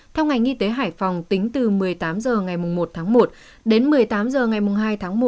theo ngành y tế hải phòng tính từ một mươi tám h ngày một tháng một đến một mươi tám h ngày hai tháng một